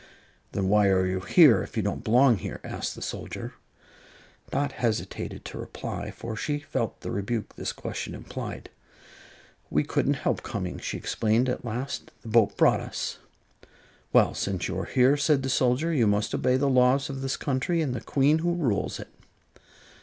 "Then why are you here, if you don't belong here?" asked the soldier. Dot hesitated to reply, for she felt the rebuke this question implied. "We couldn't help coming," she explained, at last; "the boat brought us." "Well, since you are here," said the soldier, "you must obey the laws of this country and the Queen who rules it."